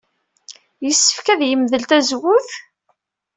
Yessefk ad yemdel tazewwut?